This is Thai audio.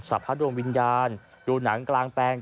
พระดวงวิญญาณดูหนังกลางแปลง